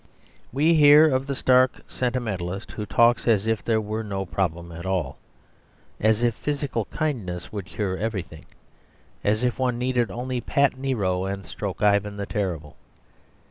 We hear of the stark sentimentalist, who talks as if there were no problem at all: as if physical kindness would cure everything: as if one need only pat Nero and stroke Ivan the Terrible.